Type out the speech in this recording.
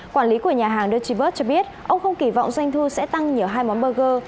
quản lý của nhà hàng dechivers cho biết ông không kỳ vọng doanh thu sẽ tăng nhờ hai món burger